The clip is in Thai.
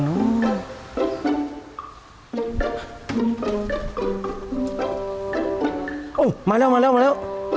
โอ้โฮมาแล้วมาแล้วมาแล้ว